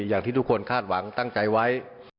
อย่างที่ทุกคนคาดหวังตั้งใจไว้